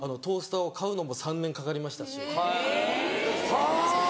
はぁ。